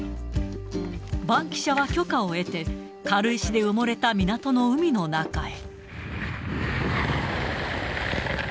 バンキシャは許可を得て、軽石で埋もれた港の海の中へ。